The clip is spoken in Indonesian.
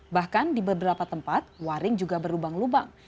bahkan di beberapa tempat waring juga berlubang lubang